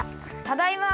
ただいま！